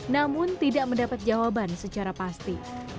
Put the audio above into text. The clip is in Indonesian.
namun tidak mendapat jawaban secara pasti